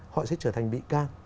họ sẽ trở thành bị can